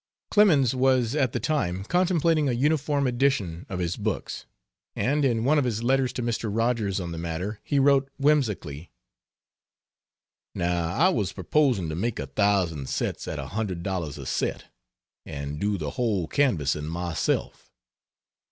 Clemens was at the time contemplating a uniform edition of his books, and in one of his letters to Mr. Rogers on the matter he wrote, whimsically, "Now I was proposing to make a thousand sets at a hundred dollars a set, and do the whole canvassing myself.....